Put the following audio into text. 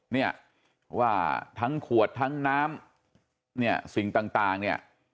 เนี่ยว่าทั้งขวดทั้งน้ำเนี่ยสิ่งต่างเนี่ย